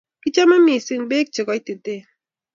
Kichomei mising beek che kaititen